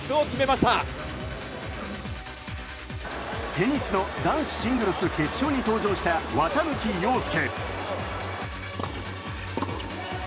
テニスの男子シングルス決勝に登場した綿貫陽介。